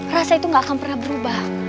rasa itu gak akan pernah berubah